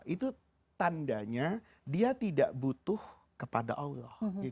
itu tandanya dia tidak butuh kepada allah